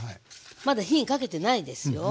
まだ火にかけてないですよ。